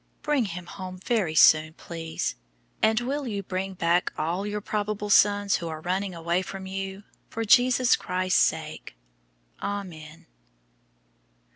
Bring him home very soon, please, and will you bring back all your probable sons who are running away from you, for Jesus Christ's sake. Amen."